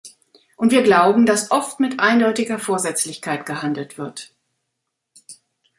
Und wir glauben, dass oft mit eindeutiger Vorsätzlichkeit gehandelt wird.